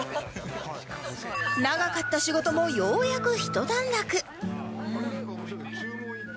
長かった仕事もようやくひと段落